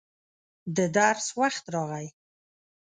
د درس وخت راغی.